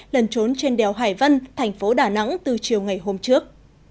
lần trốn trên đèo hải vân thành phố đà nẵng từ chiều ngày hôm trước